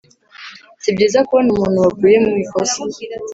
si byiza kubona umuntu waguye mu ikosa